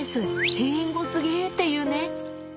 閉園後すげえっていうね。